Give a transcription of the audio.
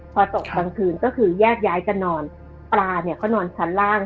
พอตกกลางคืนก็คือแยกย้ายกันนอนปลาเนี่ยเขานอนชั้นล่าง